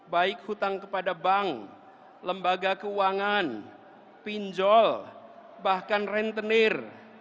baik hutang kepada bank lembaga keuangan pinjol bahkan rentenir